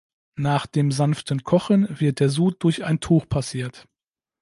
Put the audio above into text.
Nach dem sanften Kochen wird der Sud durch ein Tuch passiert.